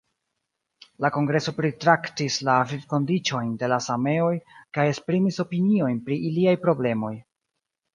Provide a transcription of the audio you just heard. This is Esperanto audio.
La kongreso pritraktis la vivkondiĉojn de la sameoj kaj esprimis opiniojn pri iliaj problemoj.